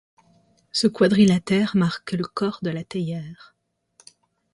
Ce quadrilatère marque le corps de la théière.